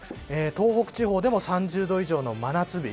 東北地方でも３０度以上の真夏日。